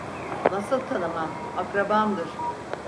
Nasıl tanımam, akrabamdır!